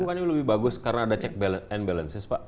bukannya lebih bagus karena ada check and balances pak